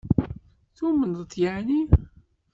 Tumneḍ-t yeεni?